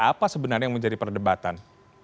apa sebenarnya yang menjadi perdebatan